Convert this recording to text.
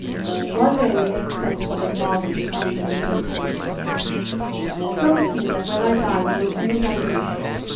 One day Elaine sent for her father to come to her little turret room. 'Promise me that when I die you will do as I wish.